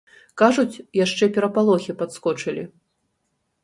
Кажуць, яшчэ перапалохі падскочылі.